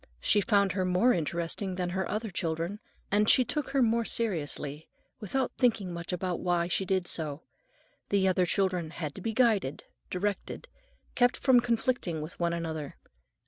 She found her more interesting than her other children, and she took her more seriously, without thinking much about why she did so. The other children had to be guided, directed, kept from conflicting with one another.